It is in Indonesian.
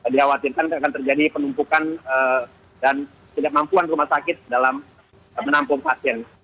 dikhawatirkan akan terjadi penumpukan dan tidak mampuan rumah sakit dalam menampung pasien